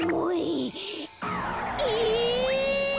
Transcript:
え！